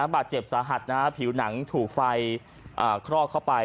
บาดเจ็บสาหัสผิวหนังถูกไฟคลอกเข้าไป